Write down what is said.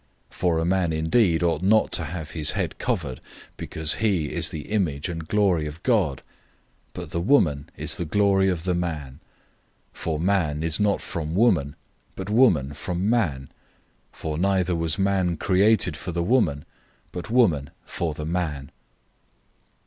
011:007 For a man indeed ought not to have his head covered, because he is the image and glory of God, but the woman is the glory of the man. 011:008 For man is not from woman, but woman from man; 011:009 for neither was man created for the woman, but woman for the man.